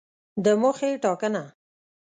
د موخې ټاکنه